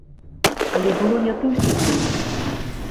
Але было не толькі гэта.